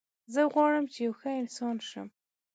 زه غواړم چې یو ښه انسان شم